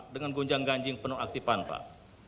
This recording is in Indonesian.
dengan gonjang ganjing penuh aktifan pak